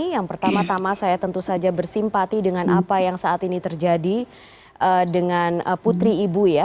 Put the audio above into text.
yang pertama tama saya tentu saja bersimpati dengan apa yang saat ini terjadi dengan putri ibu ya